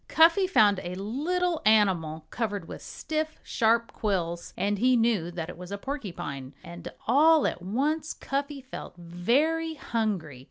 Cuffy found a little animal covered with stiff, sharp quills and he knew that it was a porcupine. And all at once Cuffy felt very hungry.